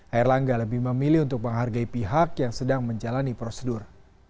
air langga lebih memilih untuk menghargai pihak yang sedang menjalani prosedur